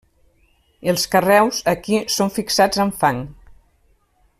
Els carreus, aquí, són fixats amb fang.